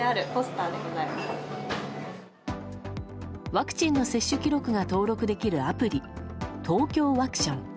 ワクチンの接種記録が登録できるアプリＴＯＫＹＯワクション。